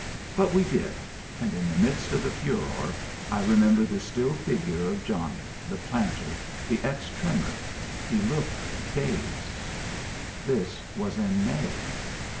But we did; and in the midst of the furor I remember the still figure of Johnnie, the planter, the ex trimmer. He looked dazed. This was in May.